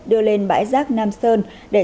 đưa lên bãi giác nam sơn để